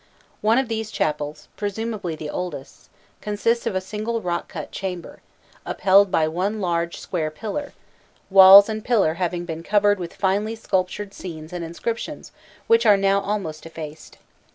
One of these chapels, presumably the oldest, consists of a single rock cut chamber, upheld by one large square pillar, walls and pillar having been covered with finely sculptured scenes and inscriptions which are now almost effaced.